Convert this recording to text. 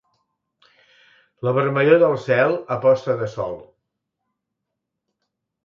La vermellor del cel a posta de sol.